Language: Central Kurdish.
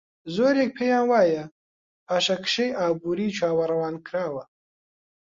زۆرێک پێیان وایە پاشەکشەی ئابووری چاوەڕوانکراوە.